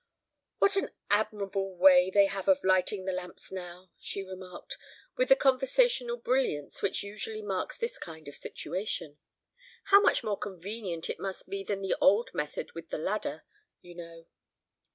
"What an admirable way they have of lighting the lamps now," she remarked, with the conversational brilliance which usually marks this kind of situation; "how much more convenient it must be than the old method with the ladder, you know!"